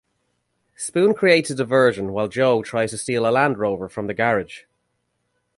Spoon creates a diversion while Joe tries steal a Land Rover from the garage.